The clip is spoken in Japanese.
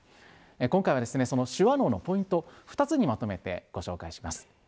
今回はですね、その手話能のポイント、２つにまとめてご紹介します。